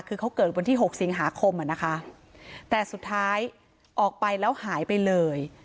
คือเขาเกิดวันที่๖สิงหาคมอ่ะนะคะแต่สุดท้ายออกไปแล้วหายไปเลย